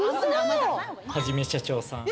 はじめしゃちょーさん。